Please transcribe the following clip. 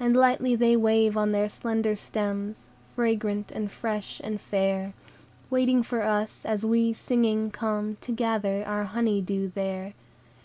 And lightly they wave on their slender stems Fragrant, and fresh, and fair, Waiting for us, as we singing come To gather our honey dew there.